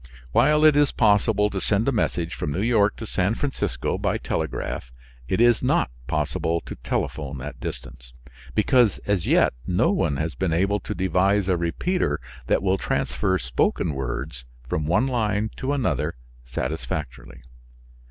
While it is possible to send a message from New York to San Francisco by telegraph, it is not possible to telephone that distance, because as yet no one has been able to devise a repeater that will transfer spoken words from one line to another satisfactorily.